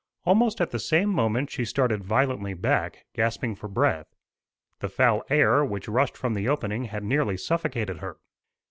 Almost at the same moment she started violently back, gasping for breath. The foul air, which rushed from the opening, had nearly suffocated her.